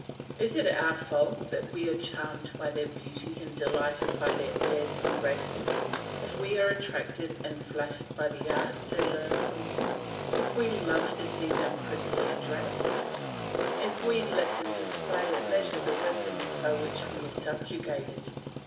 Is it our fault that we are charmed by their beauty and delighted by their airs and graces, if we are attracted and flattered by the arts they learn from you, if we love to see them prettily dressed, if we let them display at leisure the weapons by which we are subjugated?